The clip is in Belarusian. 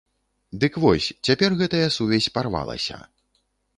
Дык вось, цяпер гэтая сувязь парвалася.